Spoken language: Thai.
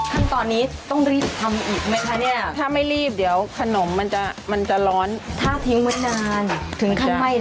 ขั้นตอนนี้ต้องรีบทำอีกไหมคะ